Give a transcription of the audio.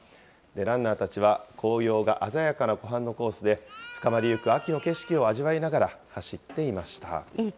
ランナーたちは紅葉が鮮やかな湖畔のコースで、深まりゆく秋の景色を味わいながら走っていました。